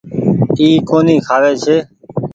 اي ڪونيٚ کآوي ڇي۔